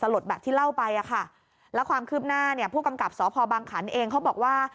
แล้วความคืบหน้าเนี่ยผู้กำกับสภบางขันต์เองเขาบอกว่า